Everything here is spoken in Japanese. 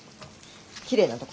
きれいな所？